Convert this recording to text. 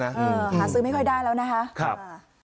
เออหาซื้อไม่ค่อยได้แล้วนะคะ